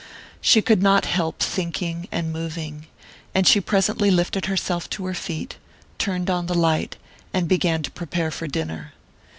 She could not help thinking and moving; and she presently lifted herself to her feet, turned on the light, and began to prepare for dinner.